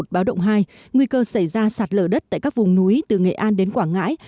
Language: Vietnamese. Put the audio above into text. báo động hai nguy cơ xảy ra sạt lở đất tại các vùng núi từ nghệ an đến quảng ngãi